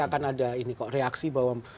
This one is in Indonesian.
akan ada reaksi bahwa